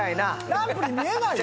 ランプに見えないよ。